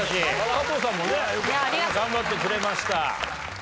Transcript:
佐藤さんもね頑張ってくれました。